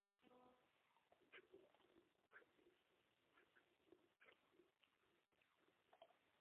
Ez nuen azkenekoan bezala gertatzetik nahi.